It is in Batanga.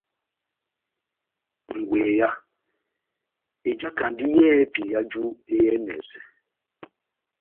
Ngweya ejakandi yɛhɛpi yajú e yɛnɛsɛ.